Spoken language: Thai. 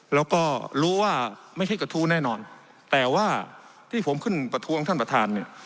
แล้วก็รู้ว่าไม่ใช่กระทู้แน่นอนแต่ว่าที่ผมขึ้นประท้วงท่านประธานเนี่ย